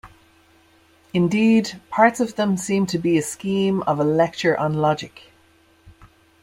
Indeed, parts of them seem to be a scheme of a lecture on logic.